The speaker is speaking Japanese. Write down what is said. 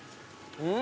うん！